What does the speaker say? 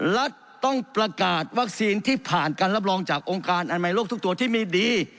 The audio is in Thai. รัฐต้องประกาศวัคซีนที่ผ่านการรับรองจากองค์การอนามัยโลกทุกตัวที่มีดี